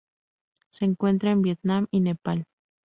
Se encuentra en Vietnam y Nepal.